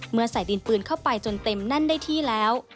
ใส่ดินปืนเข้าไปจนเต็มแน่นได้ที่แล้ว